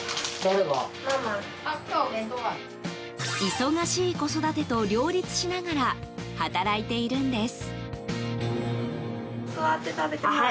忙しい子育てと両立しながら働いているんです。